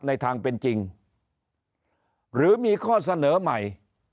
ในทางเป็นจริงหรือมีข้อเสนอใหม่